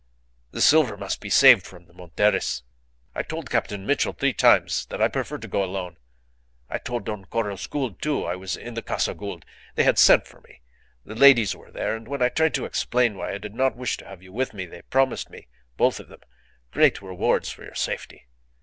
"The silver must be saved from the Monterists. I told Captain Mitchell three times that I preferred to go alone. I told Don Carlos Gould, too. It was in the Casa Gould. They had sent for me. The ladies were there; and when I tried to explain why I did not wish to have you with me, they promised me, both of them, great rewards for your safety.